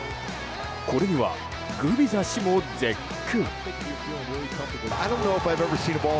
これにはグビザ氏も絶句。